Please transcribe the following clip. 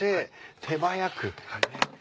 手早く。